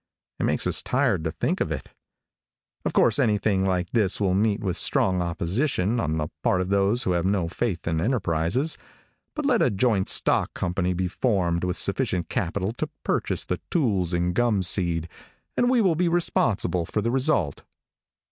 It makes us tired to think of it. Of course, anything like this will meet with strong opposition on the part of those who have no faith in enterprises, but let a joint stock company be formed with sufficient capital to purchase the tools and gum seed, and we will be responsible for the result.